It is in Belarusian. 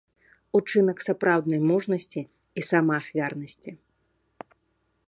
Учынак сапраўднай мужнасці і самаахвярнасці.